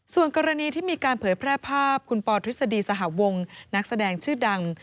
ส่วนกรณีที่มีการเผยแพร่ภาพคุณปอทฤษฎีสหวงนักแสดงชื่อดัง